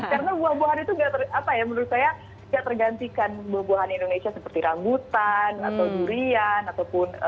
karena buah buahan itu nggak tergantikan buah buahan indonesia seperti rambutan atau durian ataupun mangga gitu ya